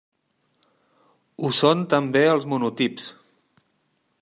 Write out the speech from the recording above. Ho són també els monotips.